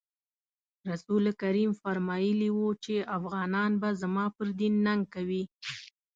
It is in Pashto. رسول کریم فرمایلي وو چې افغانان به زما پر دین ننګ کوي.